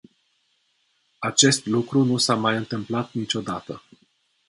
Acest lucru nu s-a mai întâmplat niciodată.